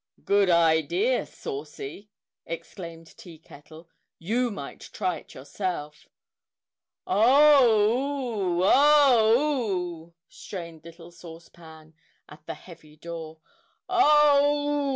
"Good idea, Saucy!" exclaimed Tea Kettle. "You might try it yourself!" "Owoooh! O w o o o h!" strained little Sauce Pan at the heavy door. "O w o o o h!